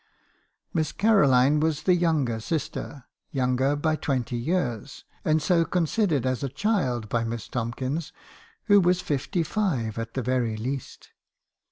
"Miss Caroline was the younger sister — younger by twenty years; and so considered as a child by Miss Tomkinson, who was fifty five, at the very least.